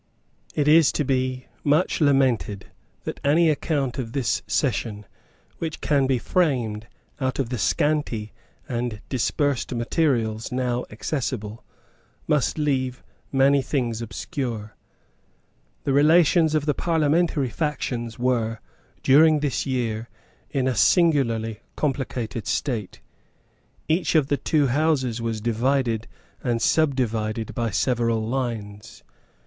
It is much to be lamented that any account of this session which can be framed out of the scanty and dispersed materials now accessible must leave many things obscure. The relations of the parliamentary factions were, during this year, in a singularly complicated state. Each of the two Houses was divided and subdivided by several lines.